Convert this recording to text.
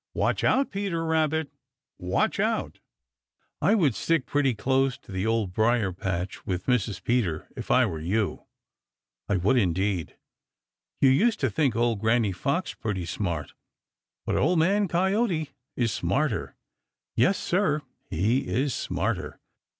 Watch out, Peter Rabbit! Watch out! I would stick pretty close to the Old Briar patch with Mrs. Peter if I were you. I would indeed. You used to think old Granny Fox pretty smart, but Old Man Coyote is smarter. Yes, Sir, he is smarter!